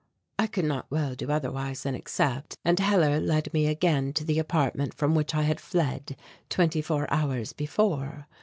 I could not well do otherwise than accept, and Hellar led me again to the apartment from which I had fled twenty four hours before.